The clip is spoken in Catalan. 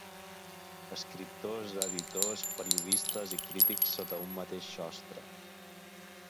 Escriptors, editors, periodistes i crítics sota un mateix sostre.